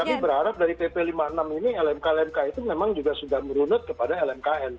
kami berharap dari pp lima puluh enam ini lmk lmk itu memang juga sudah merunut kepada lmkn